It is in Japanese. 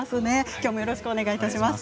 きょうもよろしくお願いします。